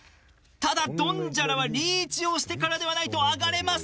ただドンジャラはリーチをしてからではないとあがれません。